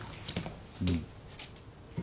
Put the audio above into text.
うん。